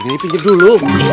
sini pinjam dulu